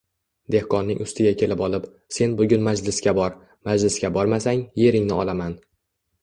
Dehqonning ustiga kelib olib: “Sen bugun majlisga bor, majlisga bormasang, yeringni olaman.